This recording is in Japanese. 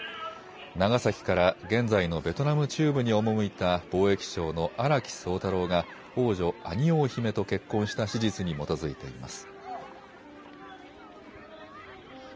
長崎から現在のベトナム中部に赴いた貿易商の荒木宗太郎が王女アニオー姫と結婚した史実に基づいています。